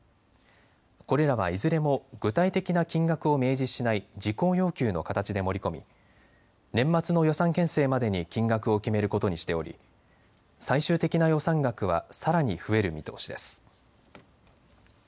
これらはいずれも具体的な金額を明示しない事項要求の形で盛り込み年末の予算編成までに金額を決めることにしており最終的な予算額はさらに増える見通しです。